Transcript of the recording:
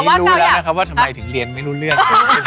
รู้แล้วนะครับว่าทำไมถึงเรียนไม่รู้เรื่อง